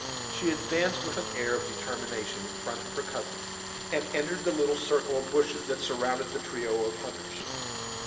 She advanced, with an air of determination, in front of her cousin, and entered the little circle of bushes that surrounded the trio of hunters.